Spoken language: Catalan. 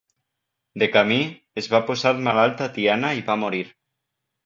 De camí, es va posar malalt a Tiana i va morir.